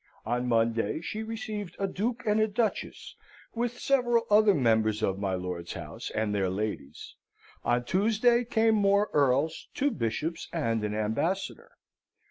On Monday she received a Duke and a Duchess, with several other members of my lord's house, and their ladies. On Tuesday came more earls, two bishops, and an ambassador.